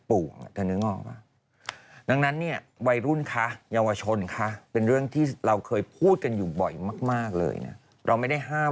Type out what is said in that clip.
แล้วก็ไม่อยากให้เด็กออกมามีปัญหา